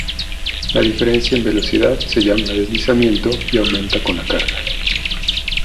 La diferencia en velocidad se llama "deslizamiento" y aumenta con la carga.